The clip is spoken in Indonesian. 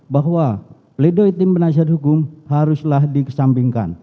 bahwa pledoi tim penasihat hukum haruslah dikesampingkan